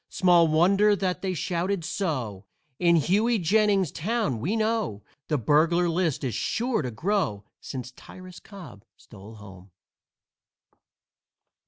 Small wonder that they shouted so; In Hughey Jennings's town, we know, The burglar list is sure to grow Since Tyrus Cobb stole home.